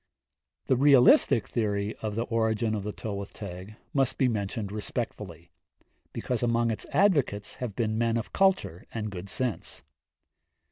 The realistic theory of the origin of the Tylwyth Teg must be mentioned respectfully, because among its advocates have been men of culture and good sense.